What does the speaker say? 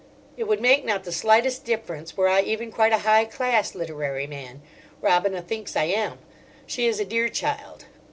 It would make not the slightest difference were I even quite a high class literary man—Robina thinks I am: she is a dear child.